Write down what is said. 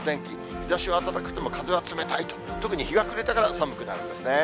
日ざしは暖かくても、風は冷たい、特に日が暮れてから、寒くなるんですね。